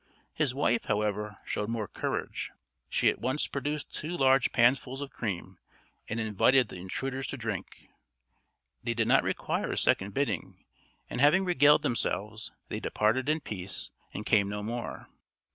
His wife, however, showed more courage. She at once produced two large pansful of cream, and invited the intruders to drink. They did not require a second bidding, and having regaled themselves, they departed in peace and came no more.